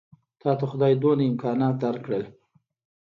تاته خدای دومره امکانات درکړل.